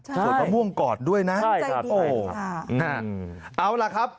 ใช่ส่วนมะม่วงกอดด้วยนะใช่ค่ะอ๋ออืมเอาล่ะครับ